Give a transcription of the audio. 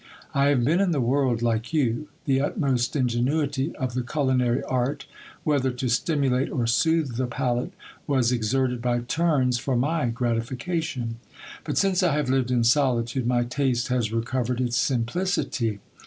I have been in the world like you. The utmost ingenuity of the culinary art, whether to stimulate or soothe the palate, was exerted by turns for my gratifica tion. But since I have lived in solitude, my taste has recovered its simplicity.